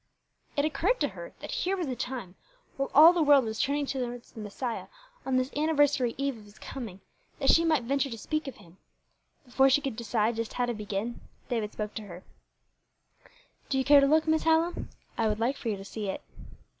It occurred to her that here was a time, while all the world was turning towards the Messiah on this anniversary eve of his coming, that she might venture to speak of him. Before she could decide just how to begin, David spoke to her: "Do you care to look, Miss Hallam? I would like for you to see it."